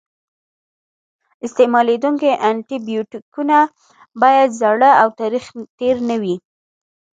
استعمالیدونکي انټي بیوټیکونه باید زاړه او تاریخ تېر نه وي.